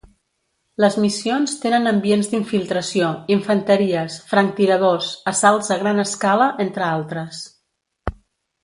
Les missions tenen ambients d'infiltració, infanteries, franctiradors, assalts a gran escala, entre altres.